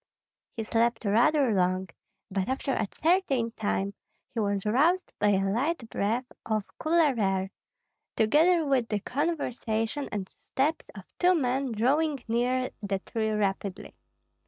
He slept rather long, but after a certain time he was roused by a light breath of cooler air, together with the conversation and steps of two men drawing near the tree rapidly.